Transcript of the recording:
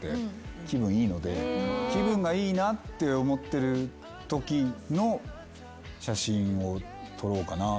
いいので気分がいいなって思ってるときの写真を撮ろうかなっていう。